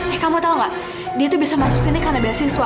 eh kamu tau gak dia tuh bisa masuk sini karena beasiswa